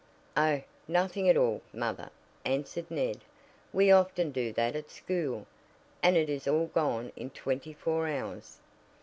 "Oh, nothing at all, mother," answered Ned. "We often do that at school, and it is all gone in twenty four hours."